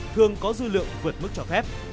thường có dư lượng vượt mức cho phép